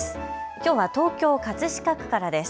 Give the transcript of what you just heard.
きょうは東京葛飾区からです。